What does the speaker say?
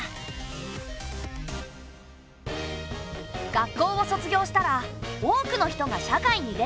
学校を卒業したら多くの人が社会に出て働く。